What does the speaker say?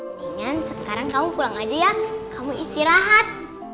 mendingan sekarang kamu pulang aja ya kamu istirahat